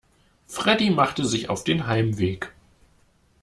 Freddie machte sich auf dem Heimweg.